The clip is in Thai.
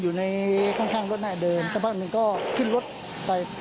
สักครั้งหนึ่งก็ขึ้นรถไป